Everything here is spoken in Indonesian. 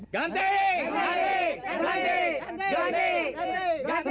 ganti ganti ganti